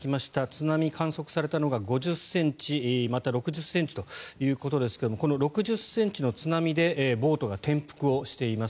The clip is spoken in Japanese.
津波、観測されたのが５０ｃｍまたは６０ｃｍということですがこの６０ｃｍの津波でボートが転覆しています。